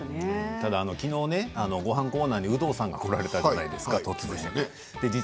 ただ、きのうごはんコーナーに有働さんが来られたじゃないですか。